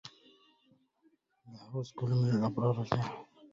يحوز كل من الأبرار أجمعهم